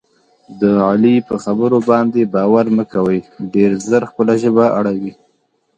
د علي په خبرو باندې باور مه کوئ. ډېر زر خپله ژبه اړوي.